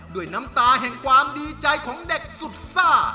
ด้วยน้ำตาแห่งความดีใจของเด็กสุดซ่า